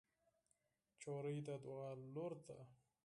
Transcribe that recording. نجلۍ د دعا لور ده.